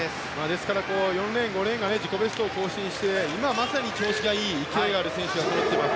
４レーン、５レーンが自己ベストを更新して今まさに調子がいい勢いのある選手がそろっています。